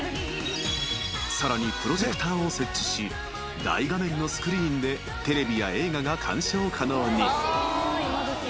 ［さらにプロジェクターを設置し大画面のスクリーンでテレビや映画が観賞可能に］